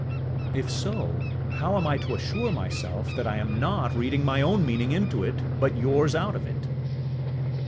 ŌĆ£If so, how am I to assure myself that I am not reading my own meaning into it, but yours out of it?